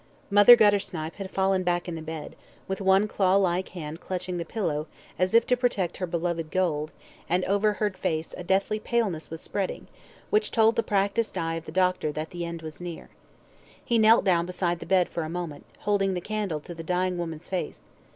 Mother Guttersnipe had fallen back in the bed, with one claw like hand clutching the pillow, as if to protect her beloved gold, and over her face a deadly paleness was spreading, which told the practised eye of the doctor that the end was near. He knelt down beside the bed for a moment, holding the candle to the dying woman's face.